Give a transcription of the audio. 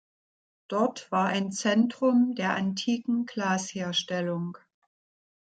Dort war ein Zentrum der antiken Glasherstellung.